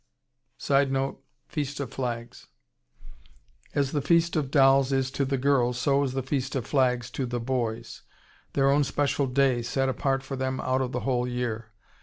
[Sidenote: Feast of Flags.] As the Feast of Dolls is to the girls, so is the Feast of Flags to the boys, their own special day, set apart for them out of the whole year.